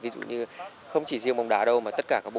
ví dụ như không chỉ riêng bóng đá đâu mà tất cả các bộ môn đều